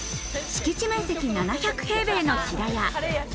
敷地面積７００平米の平屋。